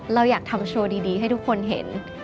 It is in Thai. เราอยากทำโชว์ดีให้ทุกคนเห็น